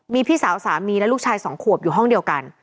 มีพี่สาวสามีและลูกชายสองขวบอยู่ห้องเดียวกัน